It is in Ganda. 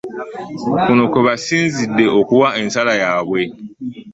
Kuno kwe basinzidde okuwa ensala yaabwe